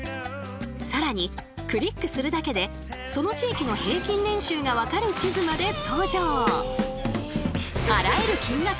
更にクリックするだけでその地域の平均年収が分かる地図まで登場。